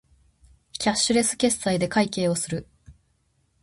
キャッシュレス決済で会計をする